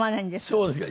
そうですか。